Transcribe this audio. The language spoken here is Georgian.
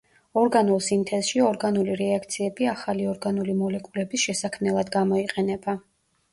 ორგანულ სინთეზში ორგანული რეაქციები ახალი ორგანული მოლეკულების შესაქმნელად გამოიყენება.